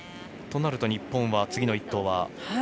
となると日本は次の一投は？